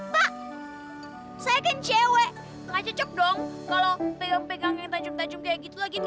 pak saya kan cewek ga cocok dong kalo pegang pegang yang tajam tajam kayak gini